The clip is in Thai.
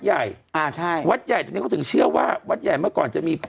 ใหญ่อ่าใช่วัดใหญ่ตรงนี้เขาถึงเชื่อว่าวัดใหญ่เมื่อก่อนจะมี